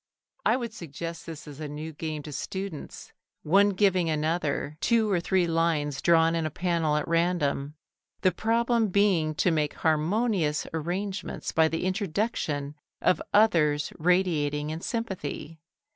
I would suggest this as a new game to students, one giving another two or three lines drawn in a panel at random, the problem being to make harmonious arrangements by the introduction of others radiating in sympathy.